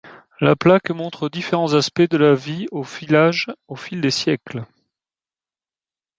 La plaque montre différents aspects de la vie au village au fil des siècles.